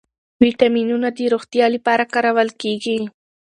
ویټامینونه د روغتیا لپاره کارول کېږي.